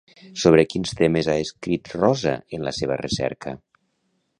Sobre quins temes ha escrit Rosa en la seva recerca?